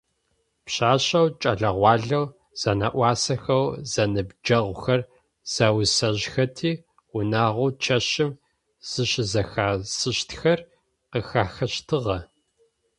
Пшъашъэу, кӏэлэ-гъуалэу зэнэӏуасэхэу зэныбджэгъухэр зэусэжьхэти, унагъоу чэщым зыщызэхэсыщтхэр къыхахыщтыгъэ.